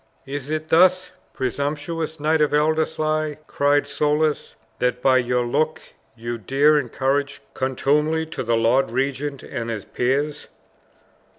"Is it thus, presumptuous Knight of Ellerslie," cried Soulis, "that by your looks you dare encourage contumely to the lord regent and his peers?"